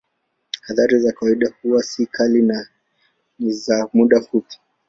Athari kwa kawaida huwa si kali na ni za muda mfupi.